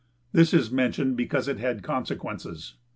This is mentioned because it had consequences.